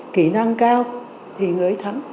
kỹ năng cao thì người ấy thắng